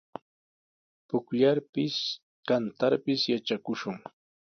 Pukllarpis, kantarpis yatrakushun.